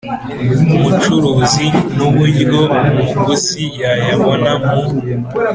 mucuruzi n uburyo umuguzi yayabona mu